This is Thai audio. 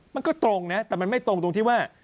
มันก็ตรงนะแต่มันไม่ตรงตรงที่ว่า